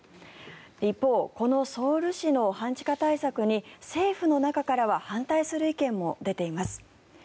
一方このソウル市の半地下対策に政府の中からは反対する意見も出ています。